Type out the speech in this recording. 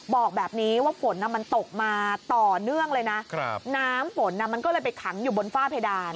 บอกแบบนี้ว่าฝนมันตกมาต่อเนื่องเลยนะครับน้ำฝนมันก็เลยไปขังอยู่บนฝ้าเพดาน